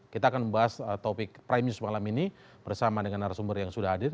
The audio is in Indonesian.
kita akan membahas topik prime news malam ini bersama dengan narasumber yang sudah hadir